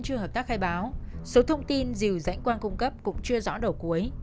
các thông tin dìu dãnh quan cung cấp cũng chưa rõ đầu cuối